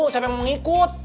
saya pengen mengikut